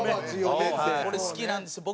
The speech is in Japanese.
これ好きなんですよ。